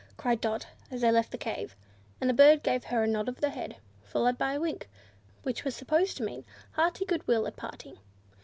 cried Dot, as they left the cave; and the bird gave her a nod of the head, followed by a wink, which was supposed to mean hearty good will at parting.